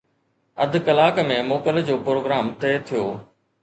اڌ ڪلاڪ ۾ موڪل جو پروگرام طئي ٿيو